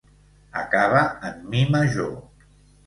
Acaba en mi major.